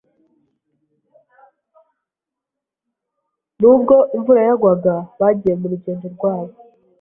Nubwo imvura yagwaga, bagiye murugendo rwabo.